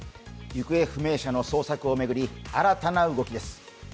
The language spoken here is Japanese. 行方不明者の捜索を巡り新たな動きです。